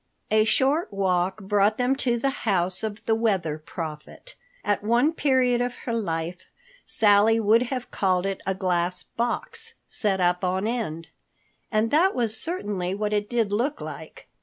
A short walk brought them to the house of the Weather Prophet. At one period of her life Sally would have called it a glass box, set up on end. And that was certainly what it did look like.